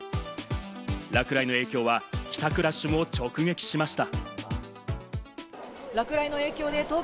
落雷の影響は帰宅ラッシュも直撃しました。